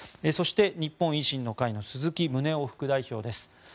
そして、日本維新の会の鈴木宗男副代表です。